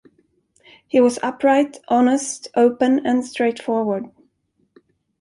He was upright, honest, open and straightforward.